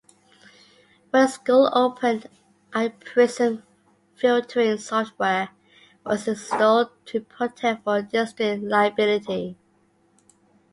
When the school opened, iPrism filtering software was installed to protect for district liability.